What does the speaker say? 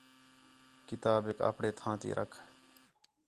کتابیک آپݨے تھاں تی رکھ